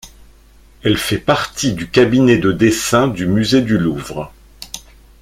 Elle fait partie du cabinet de dessins du musée du Louvre.